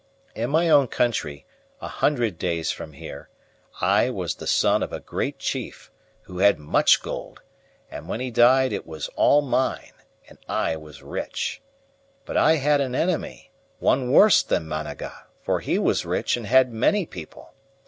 In my own country, a hundred days from here, I was the son of a great chief, who had much gold, and when he died it was all mine, and I was rich. But I had an enemy, one worse than Managa, for he was rich and had many people.